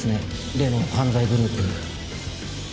例の犯罪グループ。